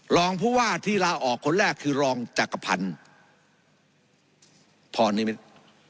รองผู้ว่าที่ลาออกคนแรกคือรองจักรพันธ์พรนิมิตร